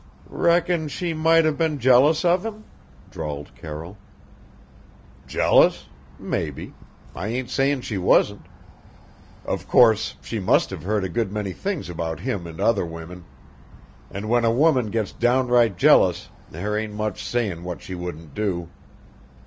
"Reckon she might have been jealous of him?" drawled Carroll. "Jealous? Maybe. I ain't sayin' she wasn't. Of course, she must have heard a good many things about him and other women; and when a woman gets downright jealous there ain't much sayin' what she wouldn't do.